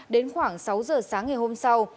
đến khoảng sáu giờ sáng ngày hôm sau